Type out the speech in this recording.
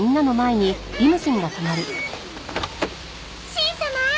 しん様